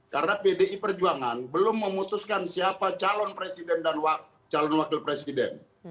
karena pdi perjuangan belum memutuskan siapa calon presiden dan calon wakil presiden